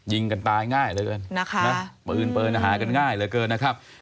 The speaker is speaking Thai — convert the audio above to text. ยิงกันตายง่ายเหลือเกินนะคะปืนปืนหากันง่ายเหลือเกินนะครับ